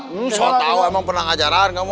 nggak usah tau emang pernah ngajaran kamu